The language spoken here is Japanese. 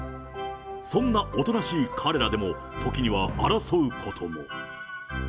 そんなおとなしい彼らでも、時には争うことも。